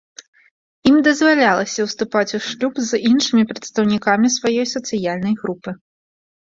Ім дазвалялася ўступаць у шлюб з іншымі прадстаўнікамі сваёй сацыяльнай групы.